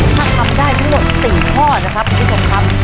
ถ้าทำได้ทั้งหมด๔ข้อนะครับคุณผู้ชมครับ